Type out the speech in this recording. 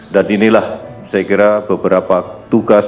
dan inilah saya kira beberapa tugas